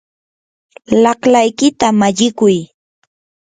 laqlaykita mallikuy.